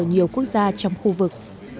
hỗ trợ cho nhiều quốc gia trong khu vực